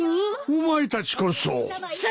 お前たちこそ。